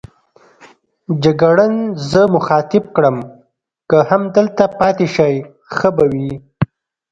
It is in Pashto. جګړن زه مخاطب کړم: که همدلته پاتې شئ ښه به وي.